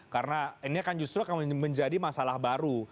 karena ini akan justru menjadi masalah baru